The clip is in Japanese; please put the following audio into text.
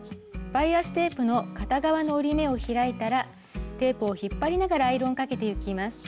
バイアステープの片側の折り目を開いたらテープを引っ張りながらアイロンをかけてゆきます。